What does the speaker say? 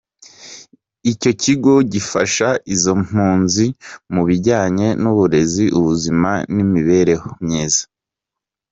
Icyo kigo gifasha izo mpunzi mu bijyanye n’uburezi, ubuzima n’iImibereho myiza.